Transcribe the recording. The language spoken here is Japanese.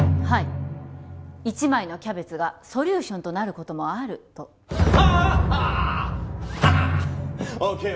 はい一枚のキャベツがソリューションとなることもあるとハーハーハー！